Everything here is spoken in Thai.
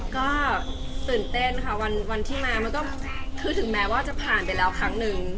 ก็ตื่นเต้นเหมือนว่าจะผ่านไปแล้วครั้งนึง